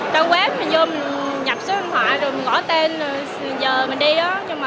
trong web mình vô mình nhập số điện thoại rồi mình gọi tên giờ mình đi đó